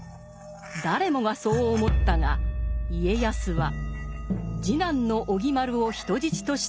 誰もがそう思ったが家康は次男の於義丸を人質として送った。